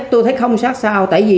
tôi thấy không xác sao